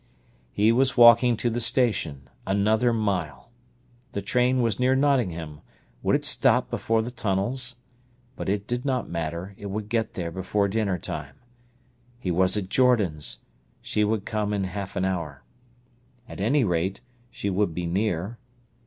He was walking to the station—another mile! The train was near Nottingham. Would it stop before the tunnels? But it did not matter; it would get there before dinner time. He was at Jordan's. She would come in half an hour. At any rate, she would be near.